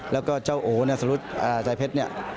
แล้วก็เจ้าโอสรุปใจเพชร